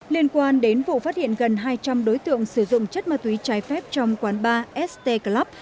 liên quan đến vụ phát hiện gần hai trăm linh đối tượng sử dụng chất ma túy trái phép trong quán barst club